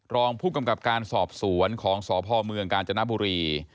รองผู้กำกับการสอบสวนของสพเมืองกาญจนบุรี